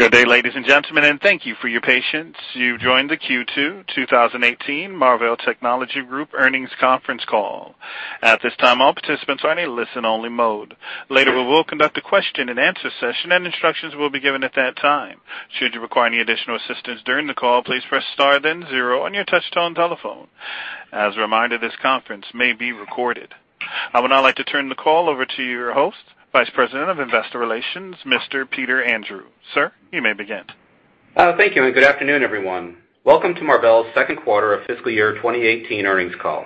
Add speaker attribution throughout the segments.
Speaker 1: Good day, ladies and gentlemen, and thank you for your patience. You've joined the Q2 2018 Marvell Technology Group earnings conference call. At this time, all participants are in a listen-only mode. Later, we will conduct a question-and-answer session, and instructions will be given at that time. Should you require any additional assistance during the call, please press star then zero on your touchtone telephone. As a reminder, this conference may be recorded. I would now like to turn the call over to your host, Vice President of Investor Relations, Mr. Peter Andrew. Sir, you may begin.
Speaker 2: Thank you, good afternoon, everyone. Welcome to Marvell's second quarter of fiscal year 2018 earnings call.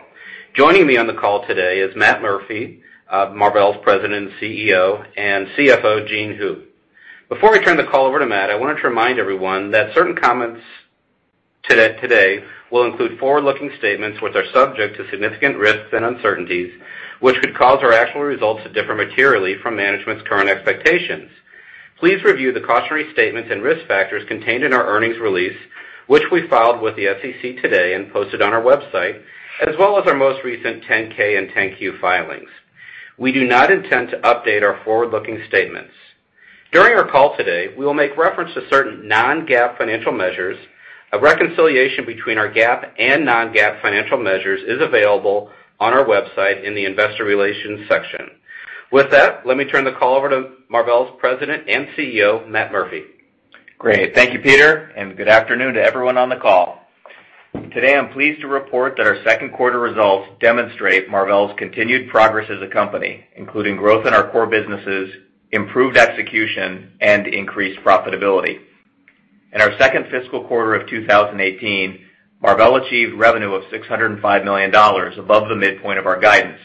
Speaker 2: Joining me on the call today is Matt Murphy, Marvell's President and CEO, and CFO Jean Hu. Before we turn the call over to Matt, I wanted to remind everyone that certain comments today will include forward-looking statements which are subject to significant risks and uncertainties, which could cause our actual results to differ materially from management's current expectations. Please review the cautionary statements and risk factors contained in our earnings release, which we filed with the SEC today and posted on our website, as well as our most recent 10-K and 10-Q filings. We do not intend to update our forward-looking statements. During our call today, we will make reference to certain non-GAAP financial measures. A reconciliation between our GAAP and non-GAAP financial measures is available on our website in the investor relations section. With that, let me turn the call over to Marvell's President and CEO, Matt Murphy.
Speaker 3: Great. Thank you, Peter, good afternoon to everyone on the call. Today, I'm pleased to report that our second quarter results demonstrate Marvell's continued progress as a company, including growth in our core businesses, improved execution, and increased profitability. In our second fiscal quarter of 2018, Marvell achieved revenue of $605 million, above the midpoint of our guidance,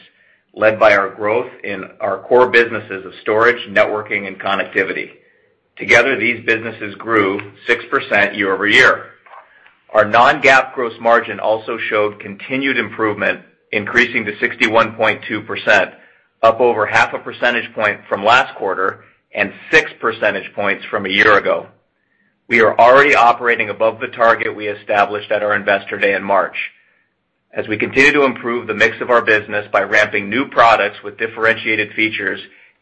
Speaker 3: led by our growth in our core businesses of storage, networking, and connectivity. Together, these businesses grew 6% year-over-year. Our non-GAAP gross margin also showed continued improvement, increasing to 61.2%, up over half a percentage point from last quarter and six percentage points from a year ago. We are already operating above the target we established at our Investor Day in March. As we continue to improve the mix of our business by ramping new products with differentiated features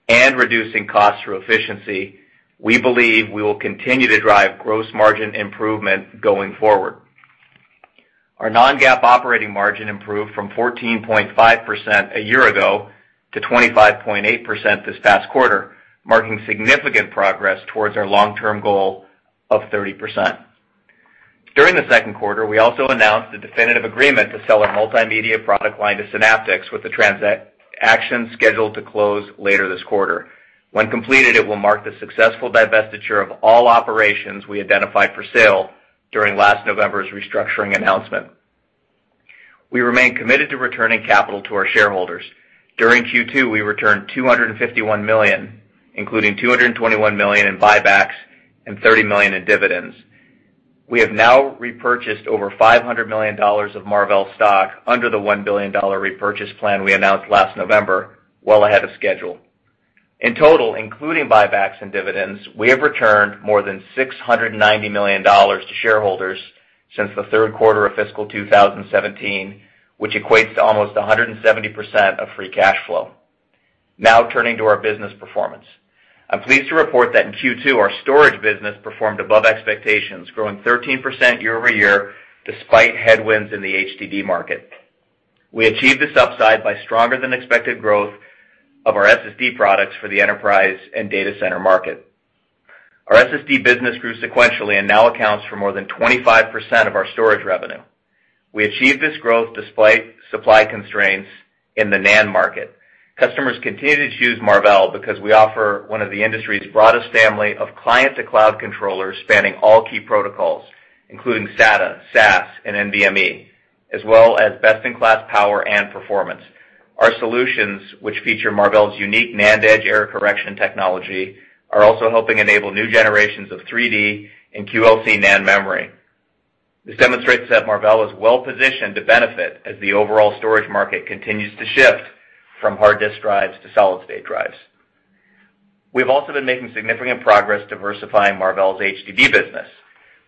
Speaker 3: and reducing costs through efficiency, we believe we will continue to drive gross margin improvement going forward. Our non-GAAP operating margin improved from 14.5% a year ago to 25.8% this past quarter, marking significant progress towards our long-term goal of 30%. During the second quarter, we also announced the definitive agreement to sell our multimedia product line to Synaptics with the transaction scheduled to close later this quarter. When completed, it will mark the successful divestiture of all operations we identified for sale during last November's restructuring announcement. We remain committed to returning capital to our shareholders. During Q2, we returned $251 million, including $221 million in buybacks and $30 million in dividends. We have now repurchased over $500 million of Marvell stock under the $1 billion repurchase plan we announced last November, well ahead of schedule. In total, including buybacks and dividends, we have returned more than $690 million to shareholders since the third quarter of fiscal 2017, which equates to almost 170% of free cash flow. Turning to our business performance. I'm pleased to report that in Q2, our storage business performed above expectations, growing 13% year-over-year despite headwinds in the HDD market. We achieved this upside by stronger-than-expected growth of our SSD products for the enterprise and data center market. Our SSD business grew sequentially and now accounts for more than 25% of our storage revenue. We achieved this growth despite supply constraints in the NAND market. Customers continue to choose Marvell because we offer one of the industry's broadest family of client-to-cloud controllers spanning all key protocols, including SATA, SAS, and NVMe, as well as best-in-class power and performance. Our solutions, which feature Marvell's unique NANDEdge error correction technology, are also helping enable new generations of 3D and QLC NAND memory. This demonstrates that Marvell is well-positioned to benefit as the overall storage market continues to shift from hard disk drives to solid-state drives. We've also been making significant progress diversifying Marvell's HDD business.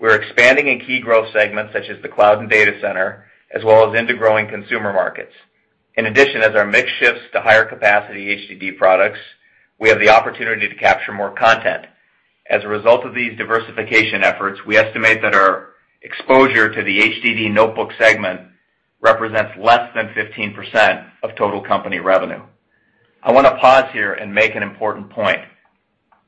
Speaker 3: We're expanding in key growth segments such as the cloud and data center, as well as into growing consumer markets. In addition, as our mix shifts to higher capacity HDD products, we have the opportunity to capture more content. As a result of these diversification efforts, we estimate that our exposure to the HDD notebook segment represents less than 15% of total company revenue. I want to pause here and make an important point.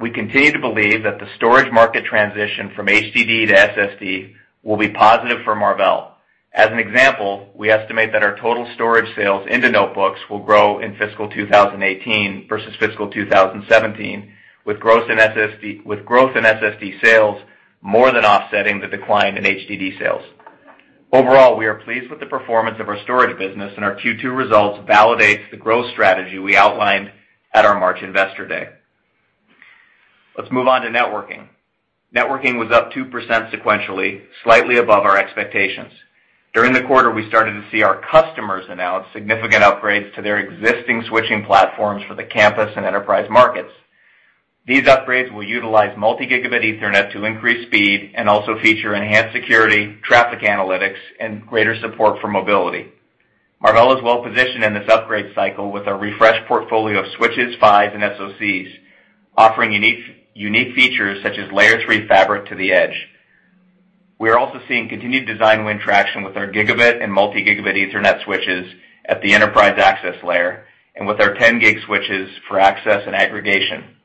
Speaker 3: We continue to believe that the storage market transition from HDD to SSD will be positive for Marvell. As an example, we estimate that our total storage sales into notebooks will grow in fiscal 2018 versus fiscal 2017, with growth in SSD sales more than offsetting the decline in HDD sales. Overall, we are pleased with the performance of our storage business, and our Q2 results validates the growth strategy we outlined at our March Investor Day. Let's move on to networking. Networking was up 2% sequentially, slightly above our expectations. During the quarter, we started to see our customers announce significant upgrades to their existing switching platforms for the campus and enterprise markets. These upgrades will utilize multi-gigabit Ethernet to increase speed and also feature enhanced security, traffic analytics, and greater support for mobility. Marvell is well positioned in this upgrade cycle with our refreshed portfolio of switches, PHYs and SoCs offering unique features such as Layer 3 fabric to the edge. We are also seeing continued design win traction with our gigabit and multi-gigabit Ethernet switches at the enterprise access layer and with our 10 gig switches for access and aggregation.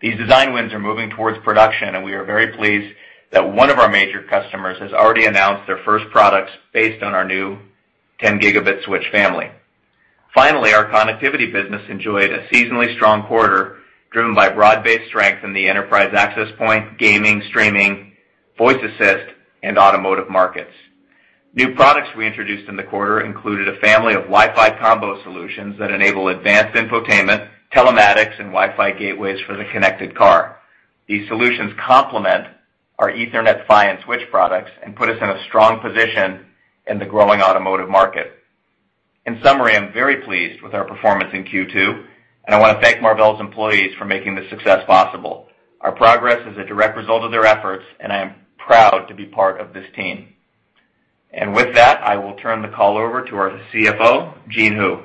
Speaker 3: These design wins are moving towards production, we are very pleased that one of our major customers has already announced their first products based on our new 10 gigabit switch family. Finally, our connectivity business enjoyed a seasonally strong quarter, driven by broad-based strength in the enterprise access point, gaming, streaming, voice assist, and automotive markets. New products we introduced in the quarter included a family of Wi-Fi combo solutions that enable advanced infotainment, telematics, and Wi-Fi gateways for the connected car. These solutions complement our Ethernet PHY and switch products and put us in a strong position in the growing automotive market. In summary, I'm very pleased with our performance in Q2, I want to thank Marvell's employees for making this success possible. Our progress is a direct result of their efforts, I am proud to be part of this team. With that, I will turn the call over to our CFO, Jean Hu.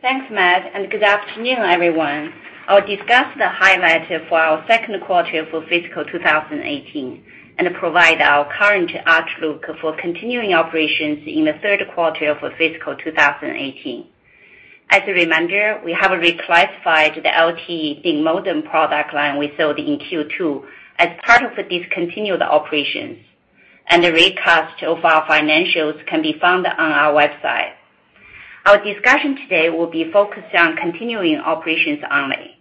Speaker 4: Thanks, Matt, good afternoon, everyone. I'll discuss the highlights for our second quarter for fiscal 2018 and provide our current outlook for continuing operations in the third quarter of fiscal 2018. As a reminder, we have reclassified the LTE modem product line we sold in Q2 as part of the discontinued operations, the recast of our financials can be found on our website. Our discussion today will be focused on continuing operations only.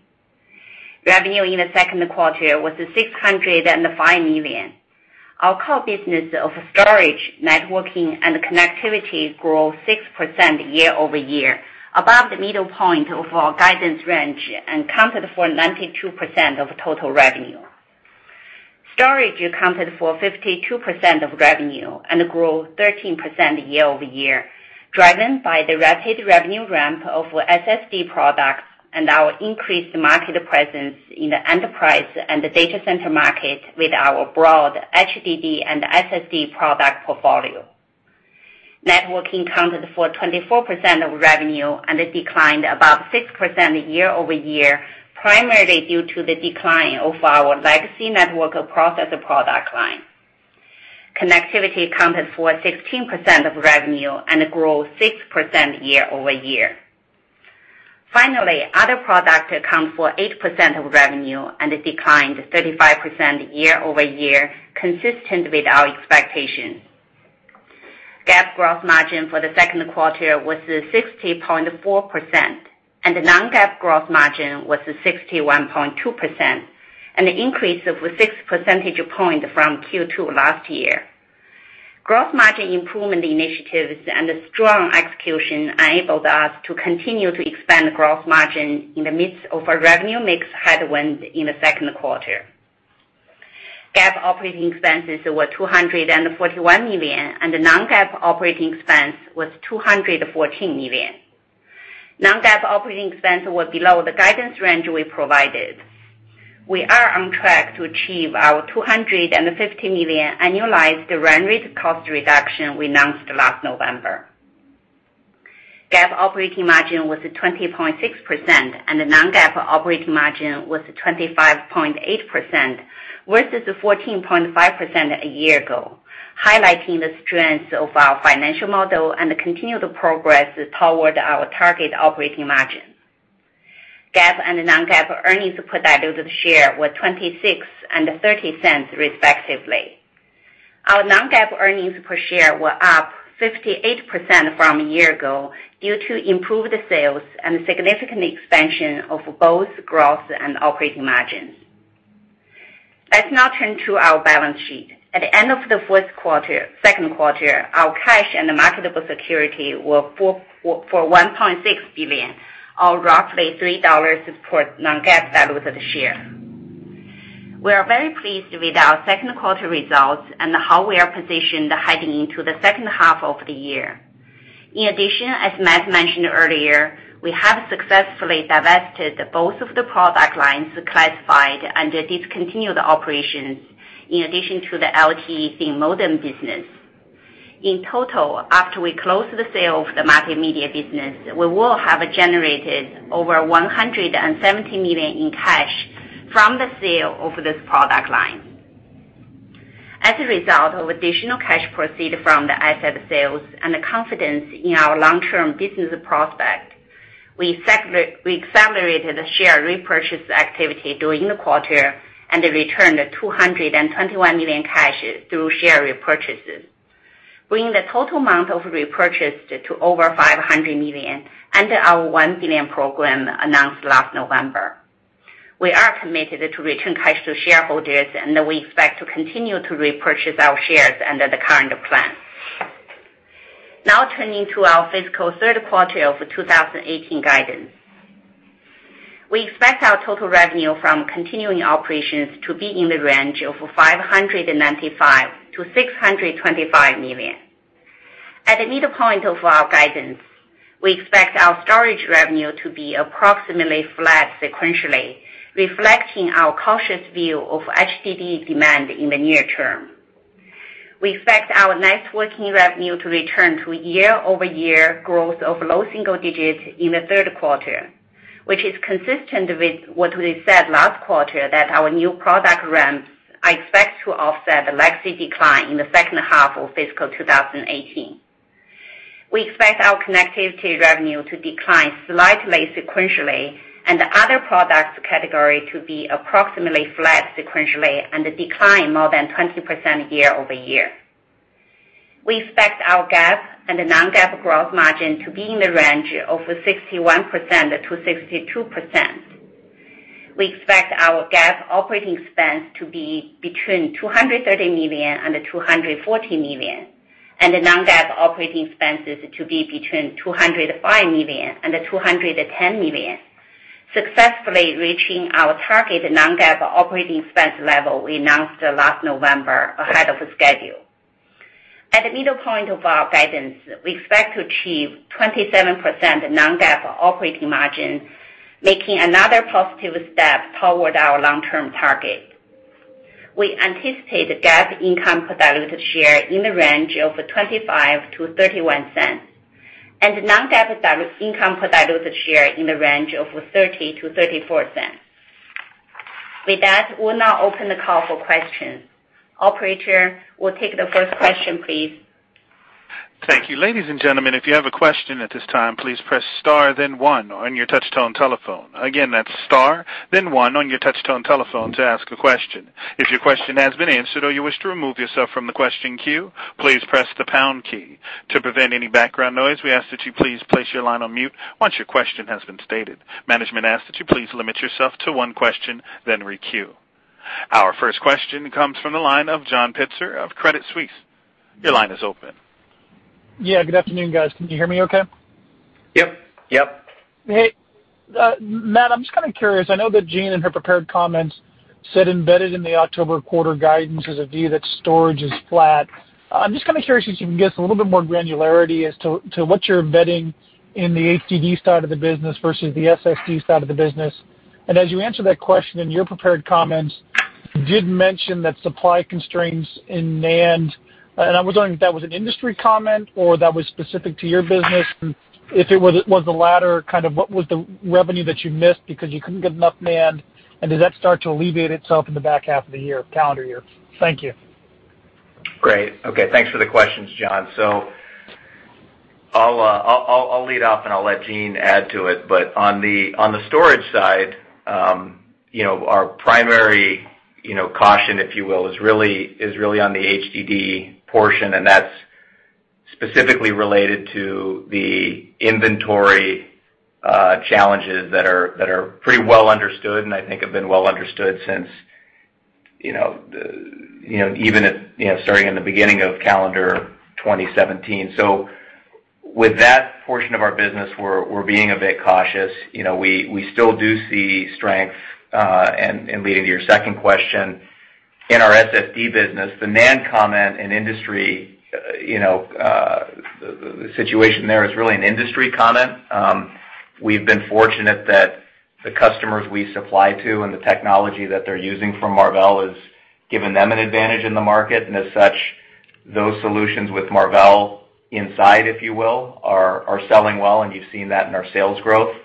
Speaker 4: Revenue in the second quarter was $605 million. Our core business of storage, networking, and connectivity grew 6% year-over-year, above the middle point of our guidance range and accounted for 92% of total revenue. Storage accounted for 52% of revenue and grew 13% year-over-year, driven by the rapid revenue ramp of SSD products and our increased market presence in the enterprise and data center market with our broad HDD and SSD product portfolio. Networking accounted for 24% of revenue and declined about 6% year-over-year, primarily due to the decline of our legacy network processor product line. Connectivity accounted for 16% of revenue and grew 6% year-over-year. Finally, other products account for 8% of revenue and declined 35% year-over-year, consistent with our expectations. GAAP gross margin for the second quarter was 60.4%, the non-GAAP gross margin was 61.2%, an increase of six percentage points from Q2 last year. Gross margin improvement initiatives and strong execution enabled us to continue to expand gross margin in the midst of a revenue mix headwind in the second quarter. GAAP operating expenses were $241 million, the non-GAAP operating expense was $214 million. Non-GAAP operating expense was below the guidance range we provided. We are on track to achieve our $250 million annualized run rate cost reduction we announced last November. GAAP operating margin was 20.6%, and the non-GAAP operating margin was 25.8%, versus 14.5% a year ago, highlighting the strength of our financial model and the continued progress toward our target operating margin. GAAP and non-GAAP earnings per diluted share were $0.26 and $0.30 respectively. Our non-GAAP earnings per share were up 58% from a year ago due to improved sales and significant expansion of both growth and operating margins. Let's now turn to our balance sheet. At the end of the second quarter, our cash and marketable securities were for $1.6 billion, or roughly $3 per non-GAAP diluted share. We are very pleased with our second quarter results and how we are positioned heading into the second half of the year. In addition, as Matt mentioned earlier, we have successfully divested both of the product lines classified under discontinued operations in addition to the LTE modem business. In total, after we close the sale of the multimedia business, we will have generated over $170 million in cash from the sale of this product line. As a result of additional cash proceeds from the asset sales and confidence in our long-term business prospects, we accelerated the share repurchase activity during the quarter and returned $221 million cash through share repurchases, bringing the total amount of repurchases to over $500 million under our $1 billion program announced last November. We are committed to returning cash to shareholders, and we expect to continue to repurchase our shares under the current plan. Now turning to our fiscal third quarter of 2018 guidance. We expect our total revenue from continuing operations to be in the range of $595 million-$625 million. At the midpoint of our guidance, we expect our storage revenue to be approximately flat sequentially, reflecting our cautious view of HDD demand in the near term. We expect our networking revenue to return to year-over-year growth of low single digits in the third quarter, which is consistent with what we said last quarter, that our new product ramps are expected to offset the legacy decline in the second half of fiscal 2018. We expect our connectivity revenue to decline slightly sequentially and the other products category to be approximately flat sequentially and decline more than 20% year-over-year. We expect our GAAP and non-GAAP growth margin to be in the range of 61%-62%. We expect our GAAP operating expense to be between $230 million and $240 million, and the non-GAAP operating expenses to be between $205 million and $210 million, successfully reaching our target non-GAAP operating expense level we announced last November ahead of schedule. At the midpoint of our guidance, we expect to achieve 27% non-GAAP operating margin, making another positive step toward our long-term target. We anticipate GAAP income per diluted share in the range of $0.25-$0.31, and non-GAAP income per diluted share in the range of $0.30-$0.34. With that, we'll now open the call for questions. Operator, we'll take the first question, please.
Speaker 1: Thank you. Ladies and gentlemen, if you have a question at this time, please press star then one on your touch-tone telephone. Again, that's star then one on your touch-tone telephone to ask a question. If your question has been answered or you wish to remove yourself from the question queue, please press the pound key. To prevent any background noise, we ask that you please place your line on mute once your question has been stated. Management asks that you please limit yourself to one question, then re-queue. Our first question comes from the line of John Pitzer of Credit Suisse. Your line is open.
Speaker 5: Yeah. Good afternoon, guys. Can you hear me okay?
Speaker 3: Yep.
Speaker 4: Yep.
Speaker 5: Hey, Matt, I'm just kind of curious. I know that Jean, in her prepared comments, said embedded in the October quarter guidance is a view that storage is flat. I'm just curious if you can give us a little bit more granularity as to what you're embedding in the HDD side of the business versus the SSD side of the business. As you answered that question, in your prepared comments, you did mention that supply constraints in NAND, and I was wondering if that was an industry comment or that was specific to your business. If it was the latter, what was the revenue that you missed because you couldn't get enough NAND? Did that start to alleviate itself in the back half of the year, calendar year? Thank you.
Speaker 3: Great. Okay. Thanks for the questions, John. I'll lead off, and I'll let Jean add to it. On the storage side, our primary caution, if you will, is really on the HDD portion, and that's specifically related to the inventory challenges that are pretty well understood and I think have been well understood since starting in the beginning of calendar 2017. With that portion of our business, we're being a bit cautious. We still do see strength. Leading to your second question, in our SSD business, the NAND comment and industry, the situation there is really an industry comment. We've been fortunate that the customers we supply to and the technology that they're using from Marvell has given them an advantage in the market, and as such, those solutions with Marvell inside, if you will, are selling well, and you've seen that in our sales growth.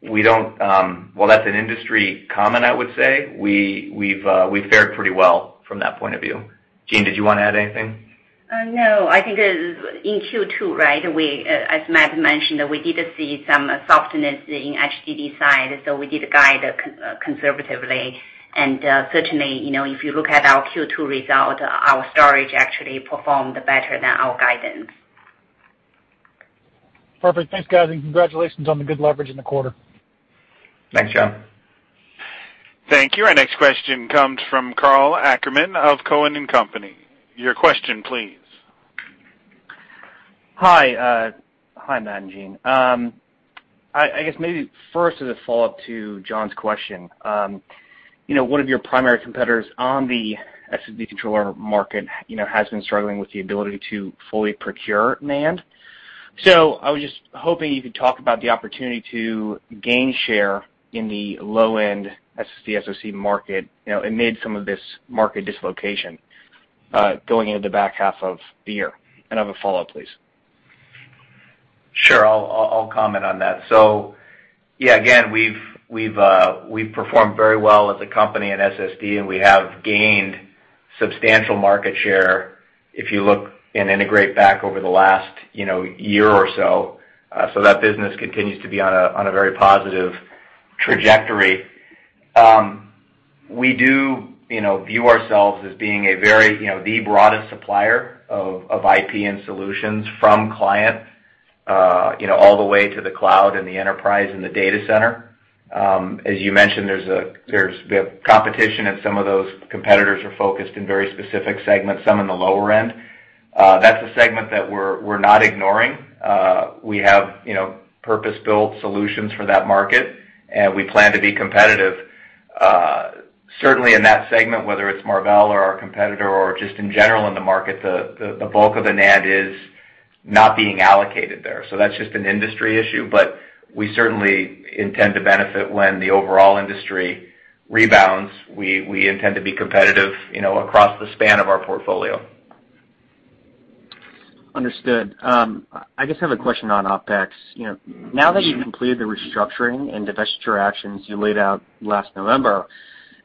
Speaker 3: While that's an industry comment, I would say, we've fared pretty well from that point of view. Jean, did you want to add anything?
Speaker 4: No. I think in Q2, right, as Matt mentioned, we did see some softness in the HDD side, so we did guide conservatively. Certainly, if you look at our Q2 result, our storage actually performed better than our guidance.
Speaker 5: Perfect. Thanks, guys. Congratulations on the good leverage in the quarter.
Speaker 3: Thanks, John.
Speaker 1: Thank you. Our next question comes from Karl Ackerman of Cowen and Company. Your question please.
Speaker 6: Hi, Matt and Jean. I guess maybe first as a follow-up to John's question. One of your primary competitors on the SSD controller market has been struggling with the ability to fully procure NAND. I was just hoping you could talk about the opportunity to gain share in the low-end SSD SoC market amid some of this market dislocation going into the back half of the year. I have a follow-up, please.
Speaker 3: Sure. I'll comment on that. Yeah, again, we've performed very well as a company in SSD, and we have gained substantial market share if you look in integrate back over the last year or so. That business continues to be on a very positive trajectory. We do view ourselves as being the broadest supplier of IP and solutions from client all the way to the cloud and the enterprise and the data center. As you mentioned, there's the competition, and some of those competitors are focused in very specific segments, some in the lower end. That's a segment that we're not ignoring. We have purpose-built solutions for that market, and we plan to be competitive. Certainly in that segment, whether it's Marvell or our competitor or just in general in the market, the bulk of the NAND is not being allocated there. That's just an industry issue, we certainly intend to benefit when the overall industry rebounds. We intend to be competitive across the span of our portfolio.
Speaker 6: Understood. I just have a question on OpEx. Now that you've completed the restructuring and divestiture actions you laid out last November,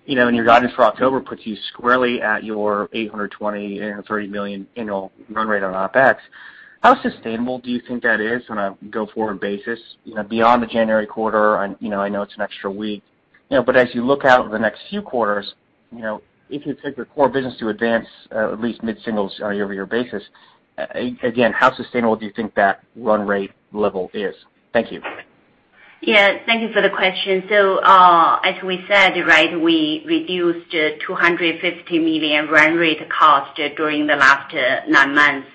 Speaker 6: your guidance for October puts you squarely at your $820 million-$830 million annual run rate on OpEx, how sustainable do you think that is on a go-forward basis, beyond the January quarter? I know it's an extra week. As you look out over the next few quarters, if you take the core business to advance at least mid-singles on a year-over-year basis, again, how sustainable do you think that run rate level is? Thank you.
Speaker 4: Yeah, thank you for the question. As we said, we reduced $250 million run rate cost during the last nine months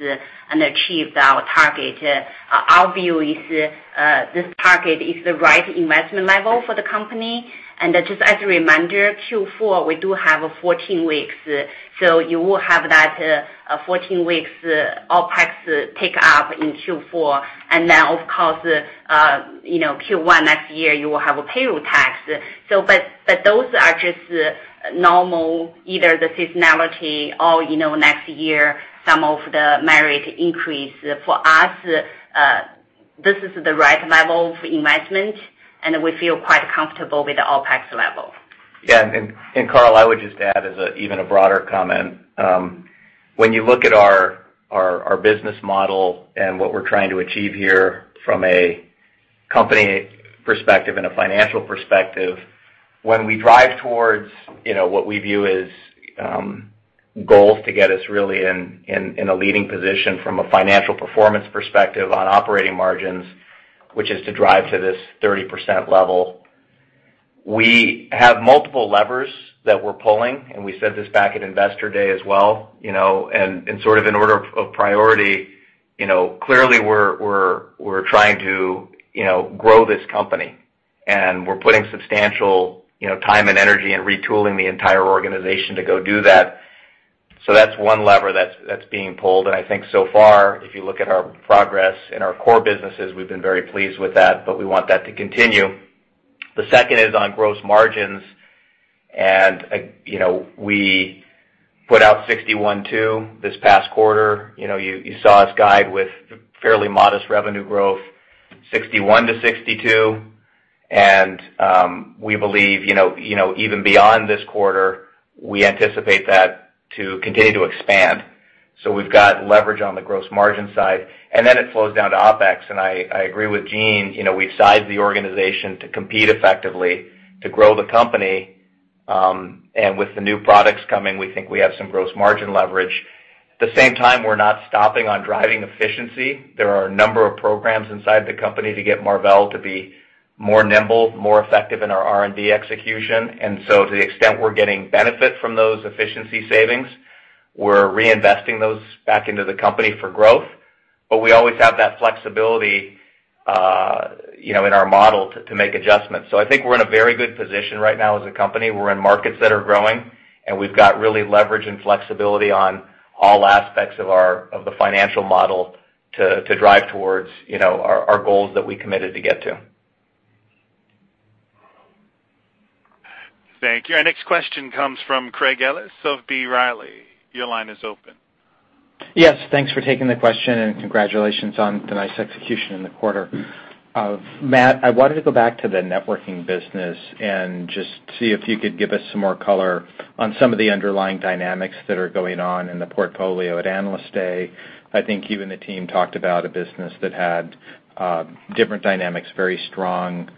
Speaker 4: and achieved our target. Our view is this target is the right investment level for the company. Just as a reminder, Q4, we do have 14 weeks. You will have that 14 weeks OpEx tick up in Q4. Now, of course, Q1 next year, you will have a payroll tax. Those are just normal, either the seasonality or next year, some of the merit increase. For us, this is the right level of investment, and we feel quite comfortable with the OpEx level.
Speaker 3: Yeah. Karl, I would just add as even a broader comment. When you look at our business model and what we're trying to achieve here from a company perspective and a financial perspective, when we drive towards what we view as goals to get us really in a leading position from a financial performance perspective on operating margins, which is to drive to this 30% level, we have multiple levers that we're pulling, and we said this back at Investor Day as well. Sort of in order of priority, clearly we're trying to grow this company, and we're putting substantial time and energy and retooling the entire organization to go do that. That's one lever that's being pulled, and I think so far, if you look at our progress in our core businesses, we've been very pleased with that, but we want that to continue. The second is on gross margins. We put out 61% too this past quarter. You saw us guide with fairly modest revenue growth, 61%-62%. We believe, even beyond this quarter, we anticipate that to continue to expand. We've got leverage on the gross margin side, then it flows down to OpEx, and I agree with Jean. We've sized the organization to compete effectively to grow the company. With the new products coming, we think we have some gross margin leverage. At the same time, we're not stopping on driving efficiency. There are a number of programs inside the company to get Marvell to be more nimble, more effective in our R&D execution. To the extent we're getting benefit from those efficiency savings, we're reinvesting those back into the company for growth. We always have that flexibility in our model to make adjustments. I think we're in a very good position right now as a company. We're in markets that are growing, and we've got really leverage and flexibility on all aspects of the financial model to drive towards our goals that we committed to get to.
Speaker 1: Thank you. Our next question comes from Craig Ellis of B. Riley. Your line is open.
Speaker 7: Yes. Thanks for taking the question and congratulations on the nice execution in the quarter. Matt, I wanted to go back to the networking business and just see if you could give us some more color on some of the underlying dynamics that are going on in the portfolio. At Analyst Day, I think you and the team talked about a business that had different dynamics, very strong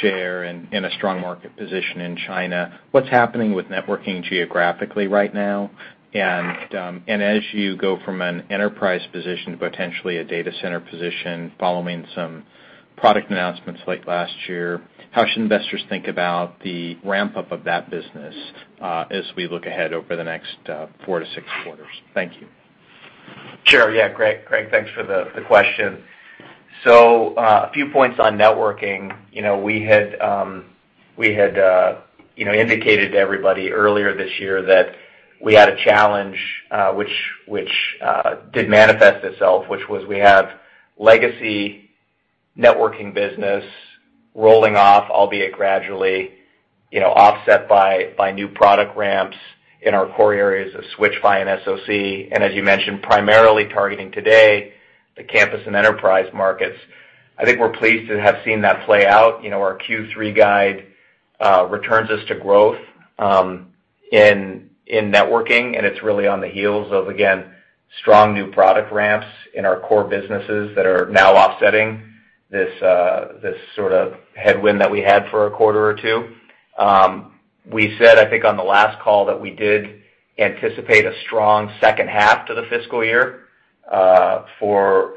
Speaker 7: share and a strong market position in China. What's happening with networking geographically right now? As you go from an enterprise position to potentially a data center position following some product announcements late last year, how should investors think about the ramp-up of that business as we look ahead over the next four to six quarters? Thank you.
Speaker 3: Sure. Craig, thanks for the question. A few points on networking. We had indicated to everybody earlier this year that we had a challenge, which did manifest itself, which was we have legacy networking business rolling off, albeit gradually, offset by new product ramps in our core areas of switch PHY and SoC, and as you mentioned, primarily targeting today the campus and enterprise markets. I think we're pleased to have seen that play out. Our Q3 guide returns us to growth in networking, and it's really on the heels of, again, strong new product ramps in our core businesses that are now offsetting this sort of headwind that we had for a quarter or two. We said, I think on the last call, that we did anticipate a strong second half to the fiscal year for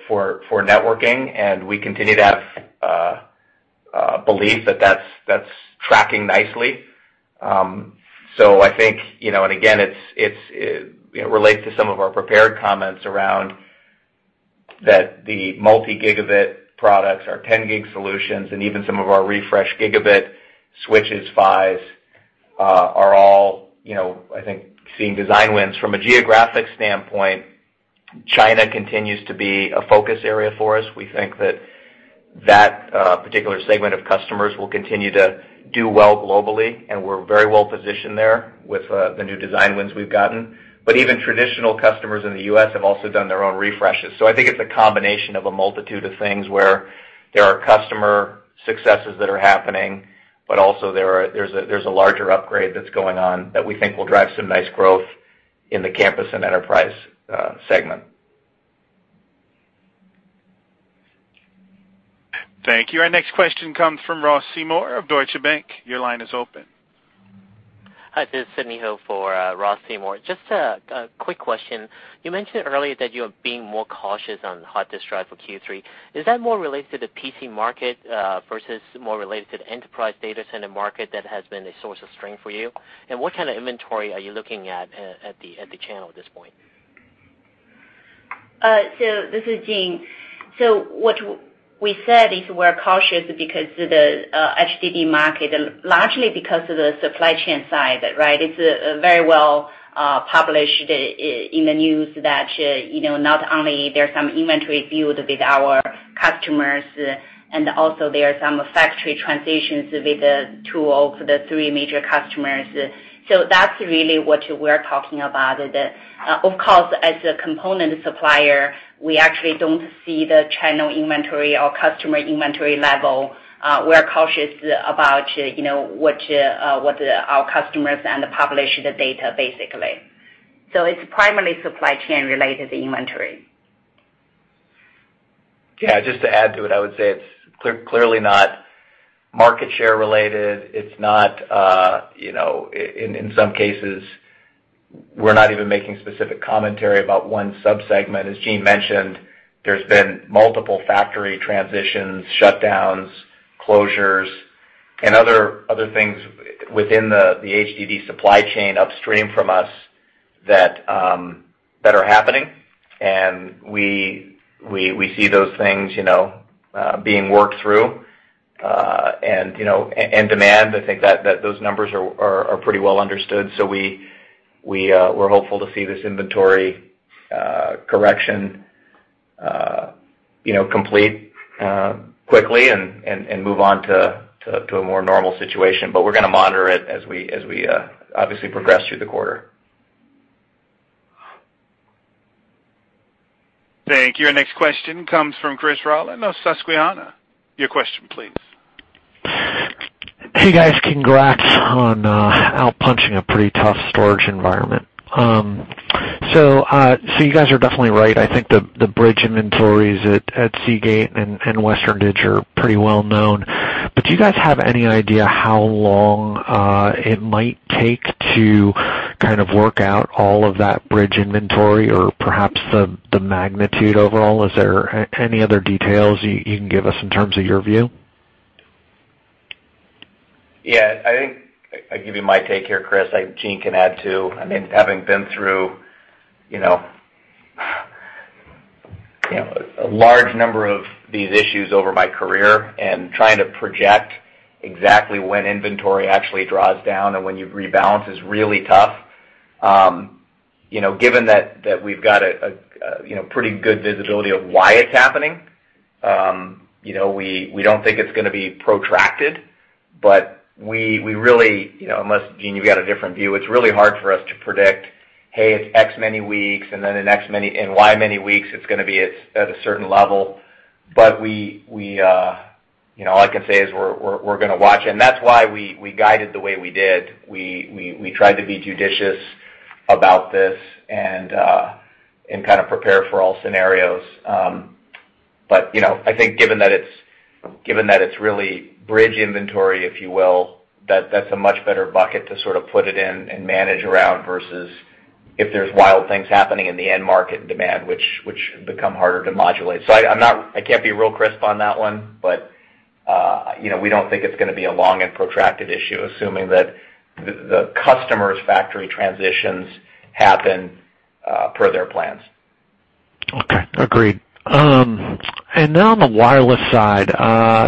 Speaker 3: networking, and we continue to have belief that that's tracking nicely. I think, and again, it relates to some of our prepared comments around the multi-gigabit products, our 10 gig solutions, and even some of our refresh gigabit switches PHYs are all seeing design wins. From a geographic standpoint, China continues to be a focus area for us. We think that that particular segment of customers will continue to do well globally, and we're very well-positioned there with the new design wins we've gotten. Even traditional customers in the U.S. have also done their own refreshes. I think it's a combination of a multitude of things where there are customer successes that are happening, but also there's a larger upgrade that's going on that we think will drive some nice growth in the campus and enterprise segment.
Speaker 1: Thank you. Our next question comes from Ross Seymore of Deutsche Bank. Your line is open.
Speaker 8: Hi, this is Sidney Hill for Ross Seymore. Just a quick question. You mentioned earlier that you are being more cautious on hard disk drive for Q3. Is that more related to the PC market, versus more related to the enterprise data center market that has been a source of strength for you? What kind of inventory are you looking at at the channel at this point?
Speaker 4: This is Jean. What we said is we're cautious because of the HDD market, largely because of the supply chain side, right? It's very well published in the news that not only there are some inventory build with our customers, and also there are some factory transitions with the two of the three major customers. That's really what we're talking about. Of course, as a component supplier, we actually don't see the channel inventory or customer inventory level. We're cautious about what our customers and the published data, basically. It's primarily supply chain-related inventory.
Speaker 3: Yeah, just to add to it, I would say it's clearly not market share related. In some cases, we're not even making specific commentary about one sub-segment. As Jean mentioned, there's been multiple factory transitions, shutdowns, closures, and other things within the HDD supply chain upstream from us that are happening. We see those things being worked through. Demand, I think that those numbers are pretty well understood. We're hopeful to see this inventory correction complete quickly and move on to a more normal situation. We're going to monitor it as we obviously progress through the quarter.
Speaker 1: Thank you. Our next question comes from Chris Rolland of Susquehanna. Your question please.
Speaker 9: Hey, guys. Congrats on out-punching a pretty tough storage environment. You guys are definitely right. I think the bridge inventories at Seagate and Western Digital are pretty well known. Do you guys have any idea how long it might take to kind of work out all of that bridge inventory or perhaps the magnitude overall? Is there any other details you can give us in terms of your view?
Speaker 3: Yeah, I think I'll give you my take here, Chris. Jean can add, too. I mean, having been through a large number of these issues over my career and trying to project exactly when inventory actually draws down and when you rebalance is really tough. Given that we've got a pretty good visibility of why it's happening, we don't think it's going to be protracted, but unless, Jean, you've got a different view, it's really hard for us to predict, hey, it's X many weeks, and then in Y many weeks, it's going to be at a certain level. All I can say is we're going to watch, and that's why we guided the way we did. We tried to be judicious about this and kind of prepare for all scenarios. I think given that it's really bridge inventory, if you will, that's a much better bucket to sort of put it in and manage around, versus if there's wild things happening in the end market and demand, which become harder to modulate. I can't be real crisp on that one, but we don't think it's going to be a long and protracted issue, assuming that the customer's factory transitions happen per their plans.
Speaker 9: Okay, agreed. On the wireless side,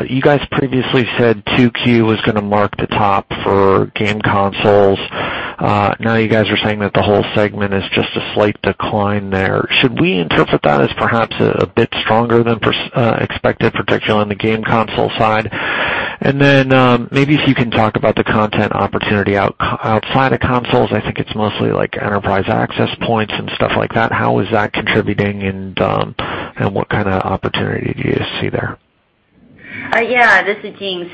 Speaker 9: you guys previously said 2Q was going to mark the top for game consoles. Now you guys are saying that the whole segment is just a slight decline there. Should we interpret that as perhaps a bit stronger than expected, particularly on the game console side? Maybe if you can talk about the content opportunity outside of consoles, I think it's mostly enterprise access points and stuff like that. How is that contributing, and what kind of opportunity do you see there?
Speaker 4: Yeah, this is Jean.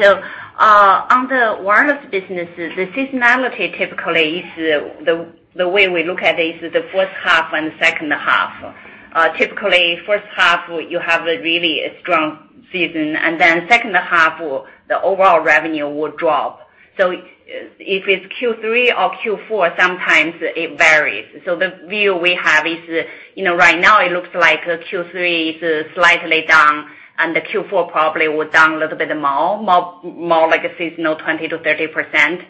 Speaker 4: On the wireless business, the seasonality typically is the way we look at is the first half and second half. Typically, first half, you have a really strong season, second half, the overall revenue will drop. If it's Q3 or Q4, sometimes it varies. The view we have is, right now it looks like Q3 is slightly down and the Q4 probably will down a little bit more, more like a seasonal 20%-30%.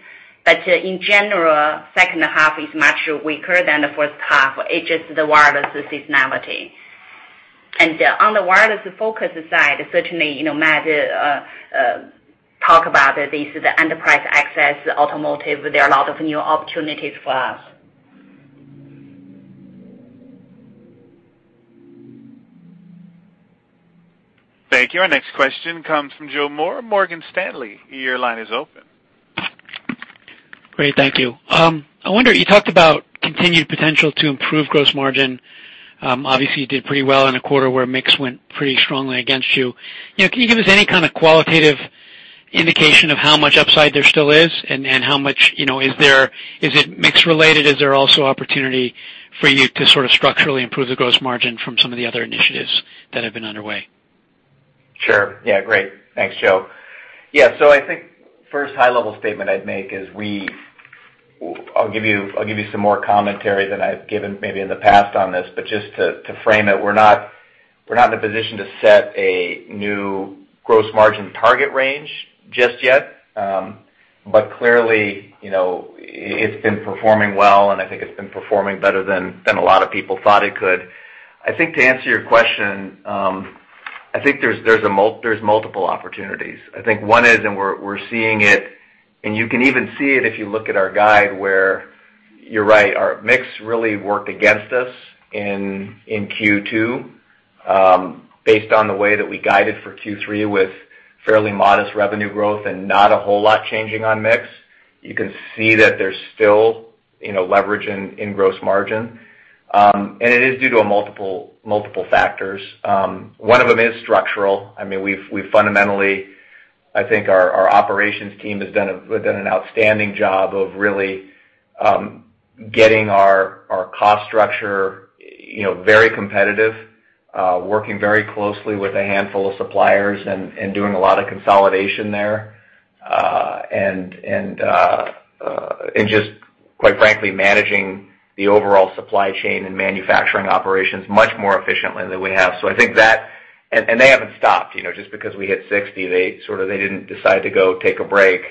Speaker 4: In general, second half is much weaker than the first half. It's just the wireless seasonality. On the wireless focus side, certainly, Matt talked about this, the enterprise access, automotive, there are a lot of new opportunities for us.
Speaker 1: Thank you. Our next question comes from Joseph Moore, Morgan Stanley. Your line is open.
Speaker 10: Great. Thank you. I wonder, you talked about continued potential to improve gross margin. Obviously, you did pretty well in a quarter where mix went pretty strongly against you. Can you give us any kind of qualitative indication of how much upside there still is, and how much is there? Is it mix related? Is there also opportunity for you to sort of structurally improve the gross margin from some of the other initiatives that have been underway?
Speaker 3: Sure. Yeah, great. Thanks, Joe. Yeah. I think first high-level statement I'd make is, I'll give you some more commentary than I've given maybe in the past on this, but just to frame it, we're not in a position to set a new gross margin target range just yet. Clearly, it's been performing well, and I think it's been performing better than a lot of people thought it could. I think to answer your question, I think there's multiple opportunities. I think one is, we're seeing it, and you can even see it if you look at our guide where, you're right, our mix really worked against us in Q2. Based on the way that we guided for Q3 with fairly modest revenue growth and not a whole lot changing on mix, you can see that there's still leverage in gross margin. It is due to multiple factors. One of them is structural. I think our operations team has done an outstanding job of really getting our cost structure very competitive, working very closely with a handful of suppliers and doing a lot of consolidation there. Just quite frankly, managing the overall supply chain and manufacturing operations much more efficiently than we have. I think that, they haven't stopped. Just because we hit 60%, they didn't decide to go take a break.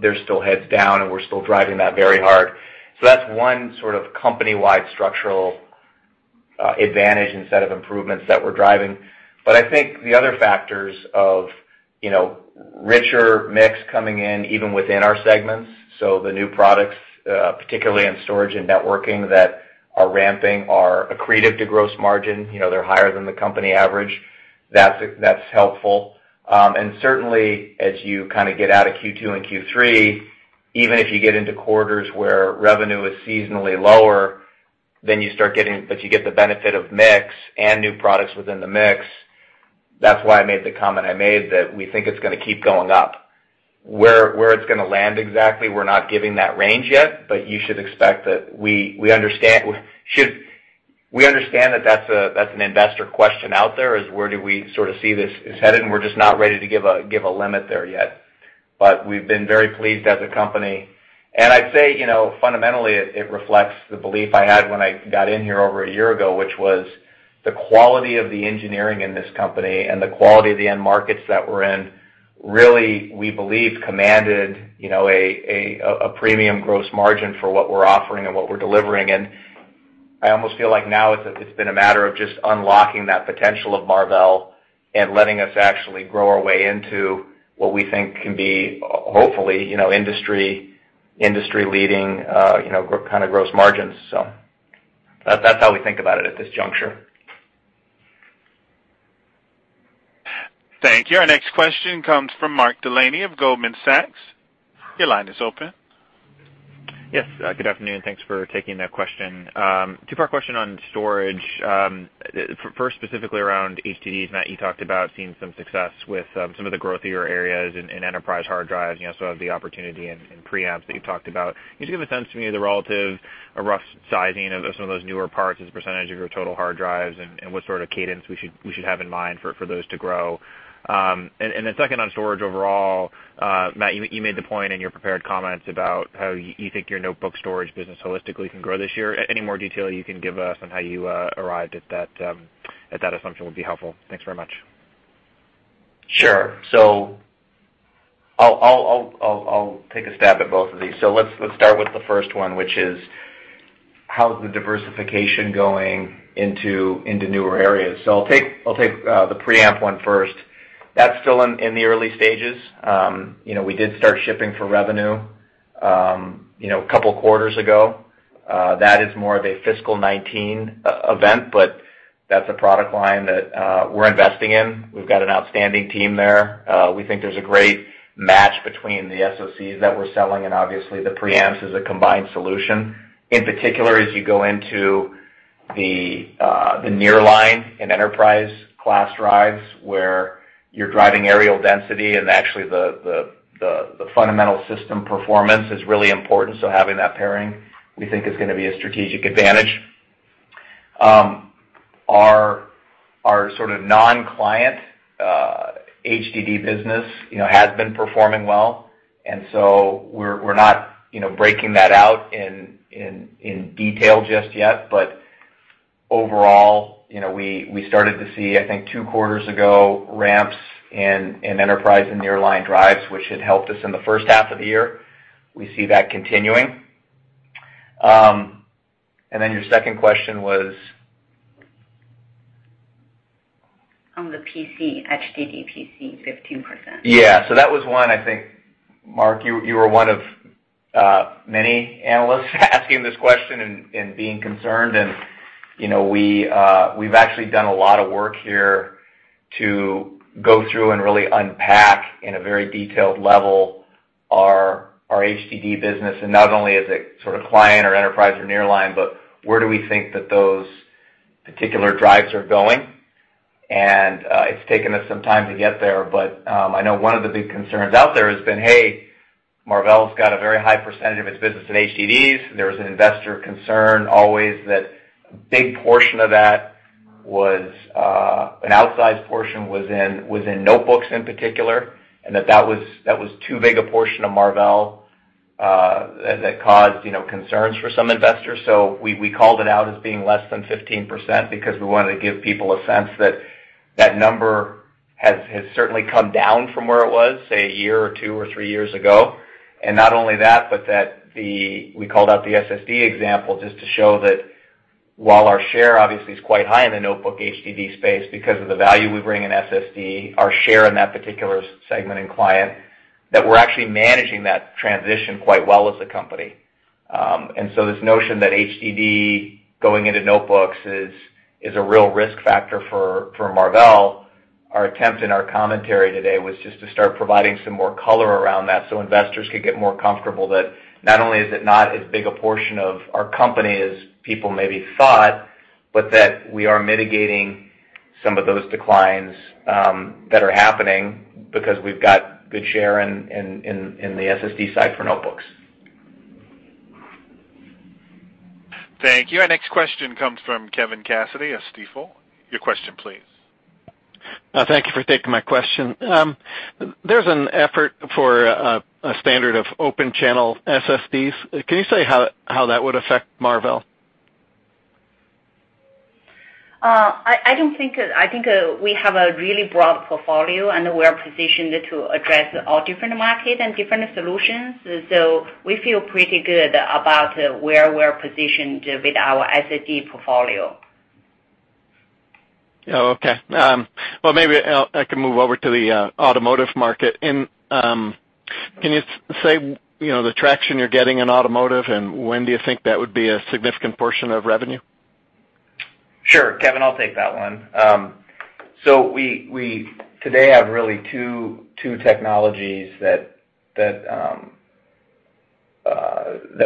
Speaker 3: They're still heads down, and we're still driving that very hard. That's one sort of company-wide structural advantage and set of improvements that we're driving. I think the other factors of richer mix coming in, even within our segments. The new products, particularly in storage and networking that are ramping, are accretive to gross margin. They're higher than the company average. That's helpful. Certainly, as you kind of get out of Q2 and Q3, even if you get into quarters where revenue is seasonally lower, you get the benefit of mix and new products within the mix. That's why I made the comment I made, that we think it's going to keep going up. Where it's going to land exactly, we're not giving that range yet, but you should expect that we understand that that's an investor question out there, is where do we sort of see this is headed, and we're just not ready to give a limit there yet. We've been very pleased as a company. I'd say, fundamentally, it reflects the belief I had when I got in here over a year ago, which was the quality of the engineering in this company and the quality of the end markets that we're in, really, we believe, commanded a premium gross margin for what we're offering and what we're delivering in. I almost feel like now it's been a matter of just unlocking that potential of Marvell and letting us actually grow our way into what we think can be, hopefully, industry-leading kind of gross margins. That's how we think about it at this juncture.
Speaker 1: Thank you. Our next question comes from Mark Delaney of Goldman Sachs. Your line is open.
Speaker 11: Yes. Good afternoon. Thanks for taking that question. Two-part question on storage. First, specifically around HDDs. Matt, you talked about seeing some success with some of the growth of your areas in enterprise hard drives, some of the opportunity in preamps that you talked about. Can you give a sense to me the relative, a rough sizing of some of those newer parts as a percentage of your total hard drives, and what sort of cadence we should have in mind for those to grow? Then second on storage overall, Matt, you made the point in your prepared comments about how you think your notebook storage business holistically can grow this year. Any more detail you can give us on how you arrived at that assumption would be helpful. Thanks very much.
Speaker 3: Sure. I'll take a stab at both of these. Let's start with the first one, which is how the diversification going into newer areas. I'll take the preamp one first. That's still in the early stages. We did start shipping for revenue a couple of quarters ago. That is more of a fiscal 2019 event, but that's a product line that we're investing in. We've got an outstanding team there. We think there's a great match between the SoCs that we're selling and obviously the preamps as a combined solution. In particular, as you go into the nearline in enterprise class drives where you're driving aerial density and actually the fundamental system performance is really important. Having that pairing, we think is going to be a strategic advantage. Our sort of non-client HDD business has been performing well. We're not breaking that out in detail just yet. Overall, we started to see, I think two quarters ago, ramps in enterprise and nearline drives, which had helped us in the first half of the year. We see that continuing. Your second question was?
Speaker 4: On the PC, HDD PC, 15%.
Speaker 3: That was one, I think, Mark, you were one of many analysts asking this question and being concerned. We've actually done a lot of work here to go through and really unpack, in a very detailed level, our HDD business. Not only as a sort of client or enterprise or nearline, but where do we think that those particular drives are going. It's taken us some time to get there, but I know one of the big concerns out there has been, "Hey, Marvell's got a very high percentage of its business in HDDs." There was an investor concern always that a big portion of that was, an outsized portion was in notebooks in particular, and that that was too big a portion of Marvell, that caused concerns for some investors. We called it out as being less than 15% because we wanted to give people a sense that that number has certainly come down from where it was, say, a year or two or three years ago. Not only that, but that we called out the SSD example just to show that while our share obviously is quite high in the notebook HDD space because of the value we bring in SSD, our share in that particular segment and client, that we're actually managing that transition quite well as a company. This notion that HDD going into notebooks is a real risk factor for Marvell, our attempt in our commentary today was just to start providing some more color around that so investors could get more comfortable that not only is it not as big a portion of our company as people maybe thought, but that we are mitigating some of those declines that are happening because we've got good share in the SSD side for notebooks.
Speaker 1: Thank you. Our next question comes from Kevin Cassidy of Stifel. Your question please.
Speaker 12: Thank you for taking my question. There's an effort for a standard of open channel SSDs. Can you say how that would affect Marvell?
Speaker 4: I think we have a really broad portfolio, and we are positioned to address all different market and different solutions. We feel pretty good about where we're positioned with our SSD portfolio.
Speaker 12: Oh, okay. Well, maybe I can move over to the automotive market. Can you say the traction you're getting in automotive, and when do you think that would be a significant portion of revenue?
Speaker 3: Sure, Kevin, I'll take that one. We today have really two technologies that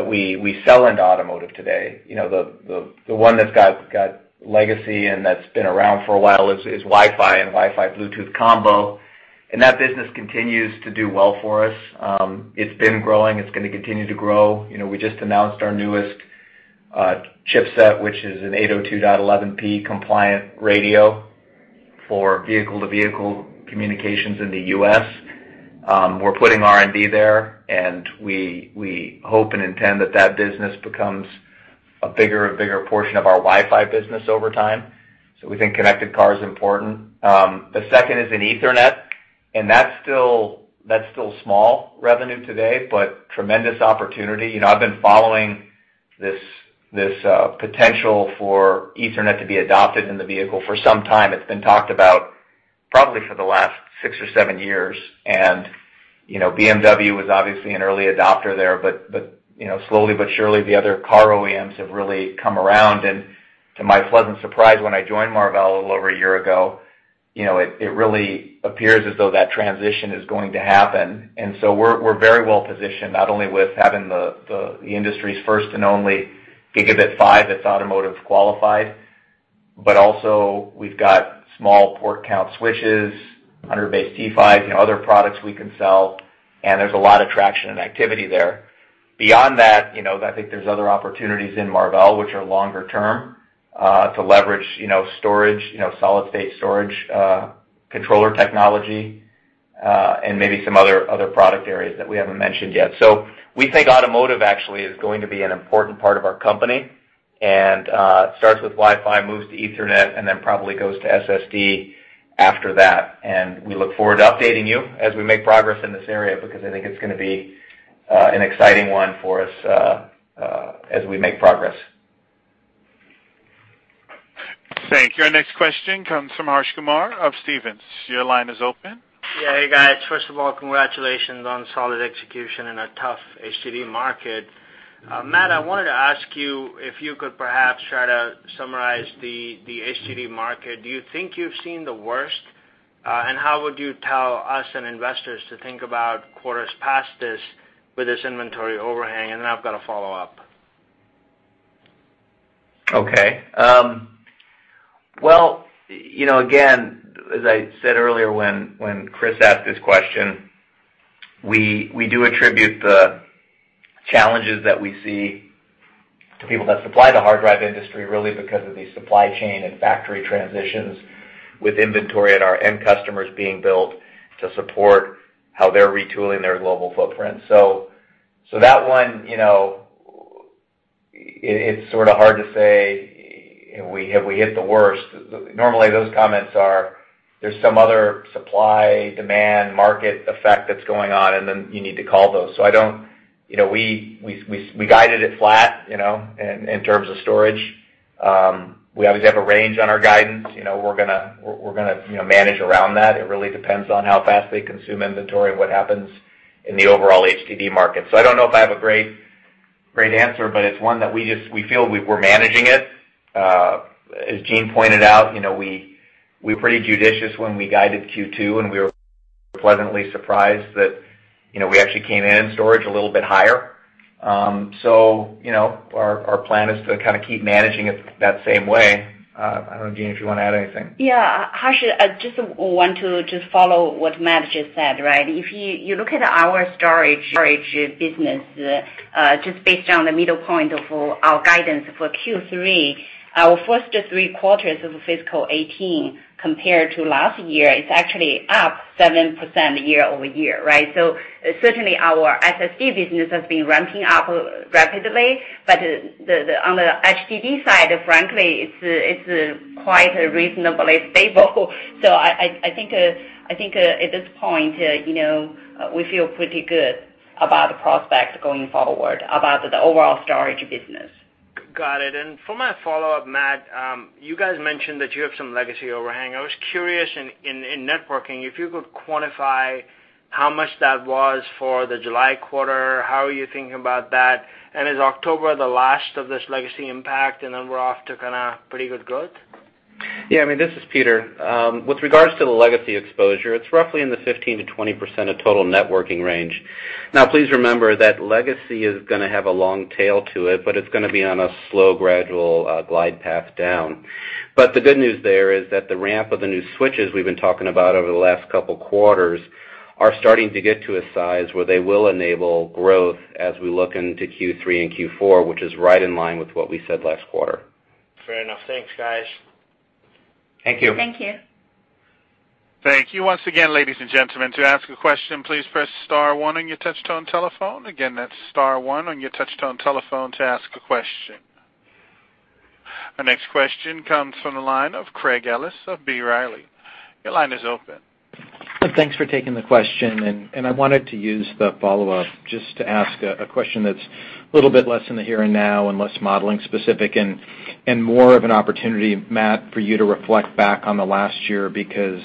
Speaker 3: we sell into automotive today. The one that's got legacy and that's been around for a while is Wi-Fi and Wi-Fi Bluetooth combo, and that business continues to do well for us. It's been growing, it's going to continue to grow. We just announced our newest chipset, which is an 802.11p compliant radio for vehicle-to-vehicle communications in the U.S. We're putting R&D there, and we hope and intend that that business becomes a bigger and bigger portion of our Wi-Fi business over time. We think connected car is important. The second is in Ethernet, and that's still small revenue today, but tremendous opportunity. I've been following this potential for Ethernet to be adopted in the vehicle for some time. It's been talked about probably for the last six or seven years. BMW was obviously an early adopter there, but slowly but surely, the other car OEMs have really come around. To my pleasant surprise when I joined Marvell a little over a year ago, it really appears as though that transition is going to happen. We're very well-positioned, not only with having the industry's first and only gigabit PHY that's automotive qualified, but also we've got small port count switches, 100BASE-T1, other products we can sell, and there's a lot of traction and activity there. Beyond that, I think there's other opportunities in Marvell which are longer term, to leverage storage, solid state storage, controller technology, and maybe some other product areas that we haven't mentioned yet. We think automotive actually is going to be an important part of our company, and starts with Wi-Fi, moves to Ethernet, and then probably goes to SSD after that. We look forward to updating you as we make progress in this area, because I think it's going to be an exciting one for us as we make progress.
Speaker 1: Thank you. Our next question comes from Harsh Kumar of Stephens. Your line is open.
Speaker 13: Hey, guys. First of all, congratulations on solid execution in a tough HDD market. Matt, I wanted to ask you if you could perhaps try to summarize the HDD market. Do you think you've seen the worst? How would you tell us and investors to think about quarters past this with this inventory overhang? Then I've got a follow-up.
Speaker 3: Well, again, as I said earlier when Chris asked this question, we do attribute the challenges that we see to people that supply the hard drive industry really because of the supply chain and factory transitions with inventory at our end customers being built to support how they're retooling their global footprint. So that one, it's sort of hard to say we hit the worst. Normally, those comments are, there's some other supply, demand, market effect that's going on. Then you need to call those. We guided it flat in terms of storage. We obviously have a range on our guidance. We're going to manage around that. It really depends on how fast they consume inventory and what happens in the overall HDD market. I don't know if I have a great answer, but it's one that we feel we're managing it. As Jean pointed out, we were pretty judicious when we guided Q2. We were pleasantly surprised that we actually came in in storage a little bit higher. Our plan is to kind of keep managing it that same way. I don't know, Jean, if you want to add anything.
Speaker 4: Harsh, I just want to just follow what Matt just said. If you look at our storage business, just based on the middle point of our guidance for Q3, our first three quarters of fiscal 2018 compared to last year is actually up 7% year-over-year. Certainly, our SSD business has been ramping up rapidly, but on the HDD side, frankly, it's quite reasonably stable. I think at this point, we feel pretty good about the prospects going forward about the overall storage business.
Speaker 13: Got it. For my follow-up, Matt, you guys mentioned that you have some legacy overhang. I was curious in networking, if you could quantify how much that was for the July quarter, how are you thinking about that? Is October the last of this legacy impact and then we're off to kind of pretty good growth?
Speaker 2: Yeah, this is Peter. With regards to the legacy exposure, it's roughly in the 15%-20% of total networking range. Please remember that legacy is going to have a long tail to it, but it's going to be on a slow, gradual glide path down. The good news there is that the ramp of the new switches we've been talking about over the last couple of quarters are starting to get to a size where they will enable growth as we look into Q3 and Q4, which is right in line with what we said last quarter.
Speaker 13: Fair enough. Thanks, guys.
Speaker 2: Thank you.
Speaker 4: Thank you.
Speaker 1: Thank you. Once again, ladies and gentlemen, to ask a question, please press star one on your touch-tone telephone. Again, that's star one on your touch-tone telephone to ask a question. Our next question comes from the line of Craig Ellis of B. Riley. Your line is open.
Speaker 7: Thanks for taking the question. I wanted to use the follow-up just to ask a question that's a little bit less in the here and now and less modeling specific and more of an opportunity, Matt, for you to reflect back on the last year, because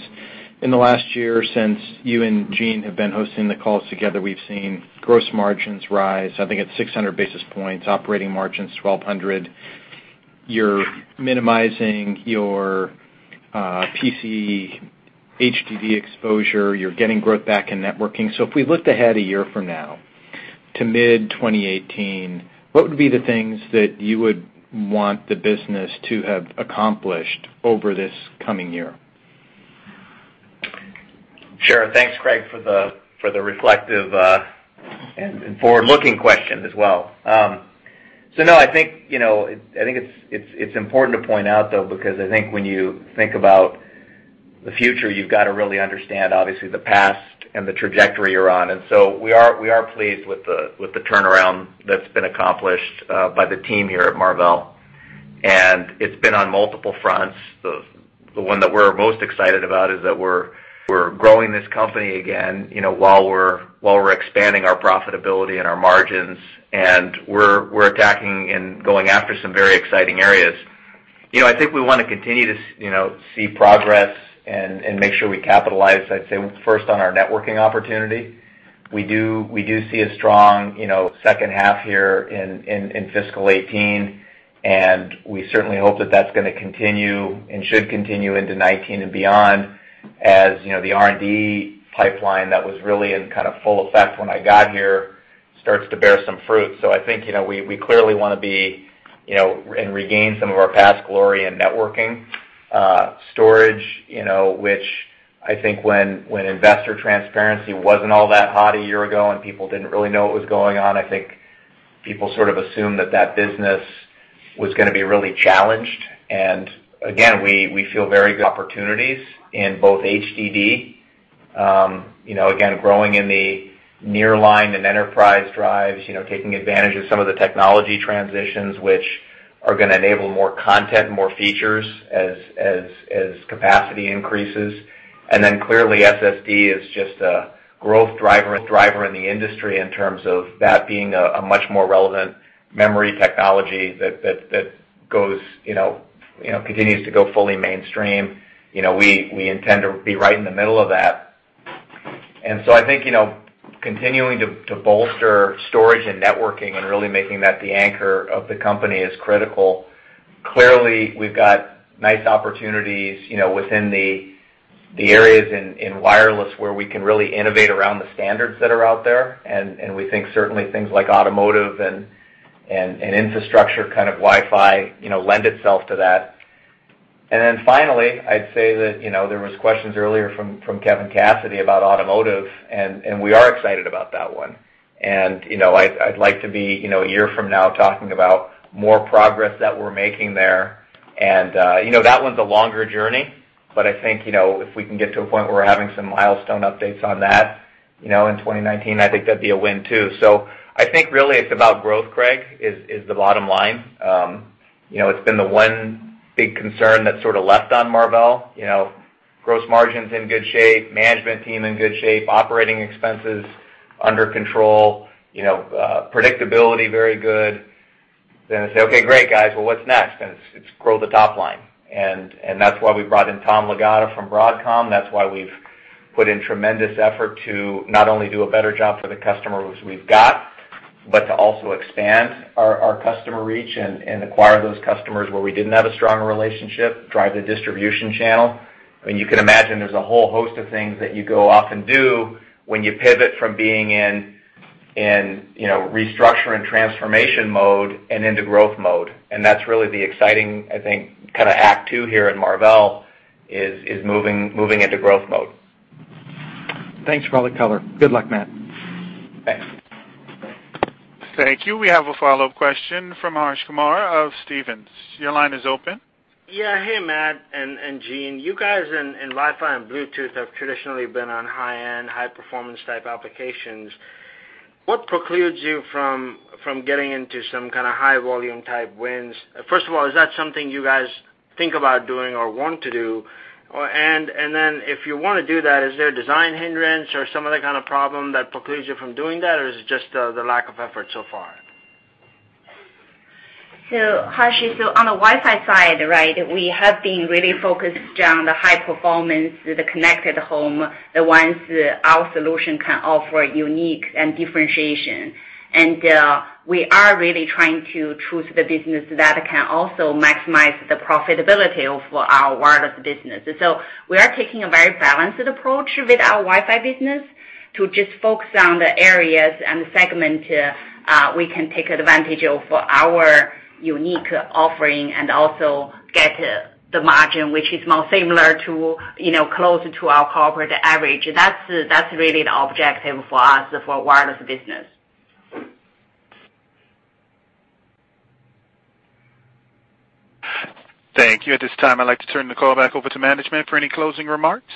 Speaker 7: in the last year since you and Jean have been hosting the calls together, we've seen gross margins rise, I think it's 600 basis points, operating margins, 1,200. You're minimizing your PC HDD exposure. You're getting growth back in networking. If we looked ahead a year from now to mid 2018, what would be the things that you would want the business to have accomplished over this coming year?
Speaker 3: Thanks, Craig, for the reflective and forward-looking question as well. I think it's important to point out, though, because I think when you think about the future, you've got to really understand, obviously, the past and the trajectory you're on. We are pleased with the turnaround that's been accomplished by the team here at Marvell, and it's been on multiple fronts. The one that we're most excited about is that we're growing this company again, while we're expanding our profitability and our margins, and we're attacking and going after some very exciting areas. I think we want to continue to see progress and make sure we capitalize, I'd say, first on our networking opportunity. We do see a strong second half here in fiscal 2018, and we certainly hope that that's going to continue and should continue into 2019 and beyond as the R&D pipeline that was really in kind of full effect when I got here starts to bear some fruit. I think we clearly want to be and regain some of our past glory in networking. Storage, which I think when investor transparency wasn't all that hot a year ago and people didn't really know what was going on, I think people sort of assumed that that business was going to be really challenged. Again, we feel very good opportunities in both HDD, again, growing in the nearline and enterprise drives, taking advantage of some of the technology transitions which are going to enable more content, more features as capacity increases. Clearly, SSD is just a growth driver in the industry in terms of that being a much more relevant memory technology that continues to go fully mainstream. We intend to be right in the middle of that. I think continuing to bolster storage and networking and really making that the anchor of the company is critical. Clearly, we've got nice opportunities within the areas in wireless where we can really innovate around the standards that are out there, and we think certainly things like automotive and infrastructure kind of Wi-Fi lend itself to that. Finally, I'd say that there was questions earlier from Kevin Cassidy about automotive. We are excited about that one. I'd like to be, a year from now, talking about more progress that we're making there. That one's a longer journey. I think if we can get to a point where we're having some milestone updates on that in 2019, I think that'd be a win, too. I think really it's about growth, Craig, is the bottom line. It's been the one big concern that's left on Marvell. Gross margin's in good shape, management team in good shape, operating expenses under control, predictability very good. They say, "Okay, great, guys, well, what's next?" It's grow the top line. That's why we brought in Tom Lagatta from Broadcom. That's why we've put in tremendous effort to not only do a better job for the customers we've got, but to also expand our customer reach and acquire those customers where we didn't have a strong relationship, drive the distribution channel. You can imagine there's a whole host of things that you go off and do when you pivot from being in restructure and transformation mode and into growth mode. That's really the exciting, I think, act two here at Marvell, is moving into growth mode.
Speaker 7: Thanks for all the color. Good luck, Matt.
Speaker 3: Thanks.
Speaker 1: Thank you. We have a follow-up question from Harsh Kumar of Stephens. Your line is open.
Speaker 13: Yeah. Hey, Matt and Jean. You guys in Wi-Fi and Bluetooth have traditionally been on high-end, high-performance type applications. What precludes you from getting into some kind of high-volume type wins? First of all, is that something you guys think about doing or want to do? Then if you want to do that, is there a design hindrance or some other kind of problem that precludes you from doing that, or is it just the lack of effort so far?
Speaker 4: Harsh, on the Wi-Fi side, we have been really focused on the high performance, the connected home, the ones our solution can offer unique and differentiation. We are really trying to choose the business that can also maximize the profitability of our wireless business. We are taking a very balanced approach with our Wi-Fi business to just focus on the areas and the segment we can take advantage of for our unique offering and also get the margin, which is more similar to, close to our corporate average. That's really the objective for us for wireless business.
Speaker 1: Thank you. At this time, I'd like to turn the call back over to management for any closing remarks.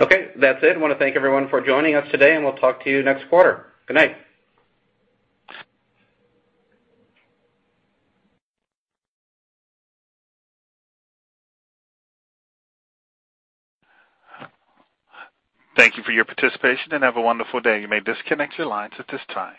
Speaker 3: Okay, that's it. I want to thank everyone for joining us today, and we'll talk to you next quarter. Good night.
Speaker 1: Thank you for your participation, and have a wonderful day. You may disconnect your lines at this time.